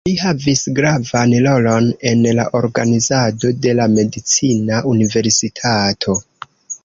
Li havis gravan rolon en la organizado de la medicina universitato.